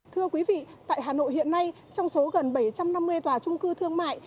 thưa quý vị tại hà nội hiện nay trong số gần bảy trăm năm mươi tòa trung cư thương mại